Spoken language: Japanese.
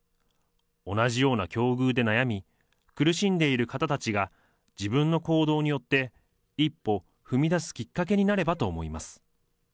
同じような境遇で悩み、苦しんでいる方たちが自分の行動によって、一歩踏み出すきっかけになればと思います。